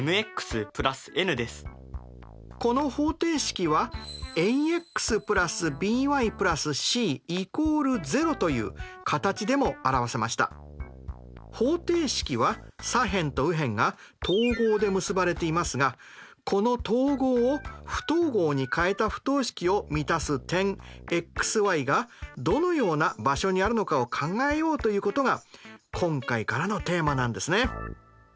この方程式は方程式は左辺と右辺が等号で結ばれていますがこの等号を不等号に変えた不等式を満たす点がどのような場所にあるのかを考えようということが今回からのテーマなんですね。